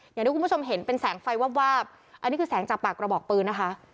อย่างที่คุณผู้ชมเห็นเป็นแสงไฟวาบวาบอันนี้คือแสงจากปากกระบอกปืนนะคะ